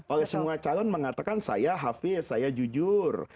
oleh semua calon mengatakan saya hafiz saya jujur